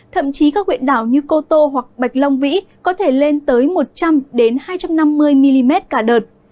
thậm chí các huyện đảo như cô tô hoặc bạch long vĩ có thể lên tới một trăm linh hai trăm năm mươi mm cả đợt